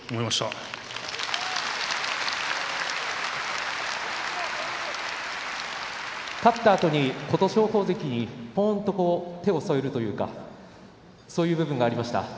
拍手勝ったあとに琴勝峰関にぽんと手を添えるというかそういう場面がありました。